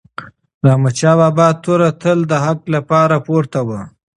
د احمدشاه بابا توره تل د حق لپاره پورته وه.